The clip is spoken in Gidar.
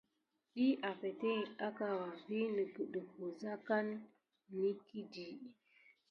Ɗiy afeteŋgək akawa wi negudick wusa kan nikidi.